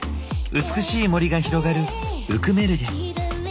美しい森が広がるウクメルゲ。